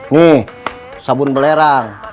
nih sabun belerang